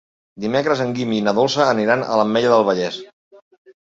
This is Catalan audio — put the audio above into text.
Dimecres en Guim i na Dolça aniran a l'Ametlla del Vallès.